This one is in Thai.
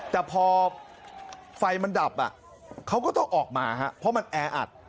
แต่พอไฟมันดับเขาก็ต้องออกมาเพราะมันแออัด